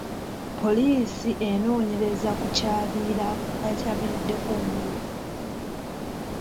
Poliisi enoonyereza ku kyaviiriddeko omuliro.